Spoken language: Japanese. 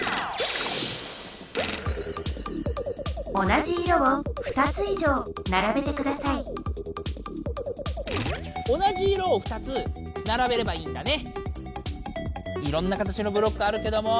同じ色を２つならべればいいんだね。